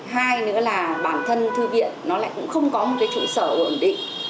hai nữa là bản thân thư viện nó lại cũng không có một cái trụ sở ổn định